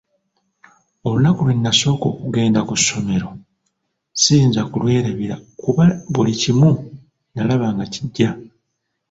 Olunaku lwe nasooka okugenda ku ssomero siyinza kulwerabira kuba buli kimu nalaba nga kiggya!